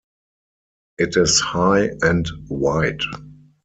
It is high, and wide.